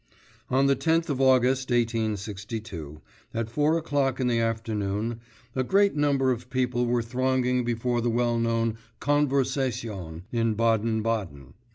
I On the 10th of August 1862, at four o'clock in the afternoon, a great number of people were thronging before the well known Konversation in Baden Baden.